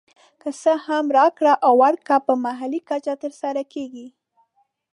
که څه هم راکړه ورکړه په محلي کچه تر سره کېږي